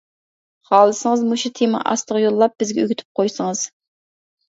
خالىسىڭىز مۇشۇ تېما ئاستىغا يوللاپ بىزگە ئۆگىتىپ قويسىڭىز!